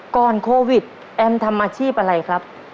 ก่อนโควิดแอมทำอาชีพอะไรครับ